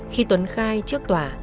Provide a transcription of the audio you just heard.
khi tuấn khai trước tòa